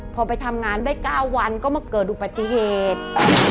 พอไปทำงานได้๙วันก็มาเกิดอุบัติเหตุ